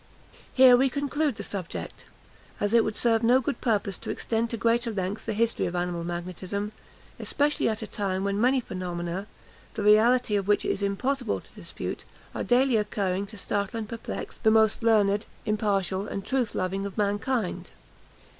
Here we conclude the subject, as it would serve no good purpose to extend to greater length the history of Animal Magnetism; especially at a time when many phenomena, the reality of which it is impossible to dispute, are daily occurring to startle and perplex the most learned, impartial, and truth loving of mankind.